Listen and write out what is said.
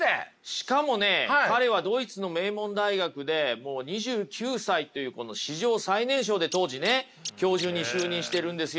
しかもね彼はドイツの名門大学でもう２９歳というこの史上最年少で当時ね教授に就任してるんですよ。